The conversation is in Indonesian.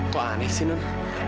kok aneh sih nun